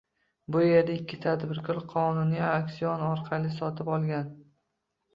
Bu yerda ikki tadbirkor qonuniy, auksion orqali sotib olgan